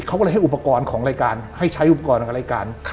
เขาก็เลยให้อุปกรณ์ของรายการให้ใช้อุปกรณ์ของรายการ